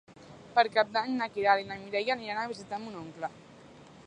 Per Cap d'Any na Queralt i na Mireia aniran a visitar mon oncle.